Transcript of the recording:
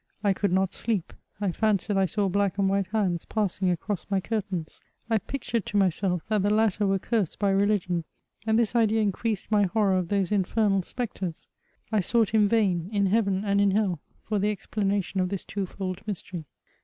I could not sleep. I fancied I saw black and white hands passing across my curtains. I pictured to myself that the latter were cursed by rehgion ; and this idea increased my horror of those infernal spectres. I sought in vain, in heaven and in hell, for the explanation of this twofold mystery.